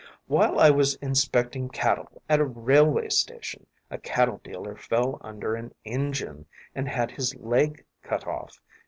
While I was inspecting cattle at a railway station, a cattle dealer fell under an engine and had his leg cut off.